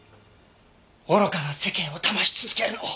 愚かな世間をだまし続けるのを。